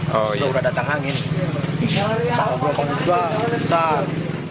kalau sudah datang angin kalau berapa juga besar